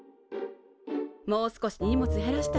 もう少し荷物減らしたら？